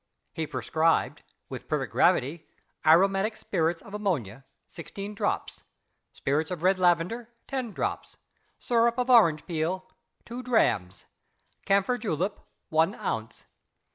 He prescribed, with perfect gravity: Aromatic Spirits of Ammonia 16 drops. Spirits of Red Lavender 10 drops. Syrup of Orange Peel 2 drams. Camphor Julep 1 ounce.